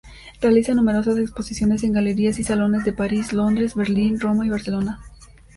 Realiza numerosas exposiciones en galerías y salones de París, Londres, Berlín, Roma y Barcelona.